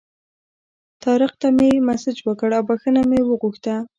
طارق ته مې مسیج وکړ او بخښنه مې وغوښته.